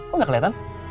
kok gak kelihatan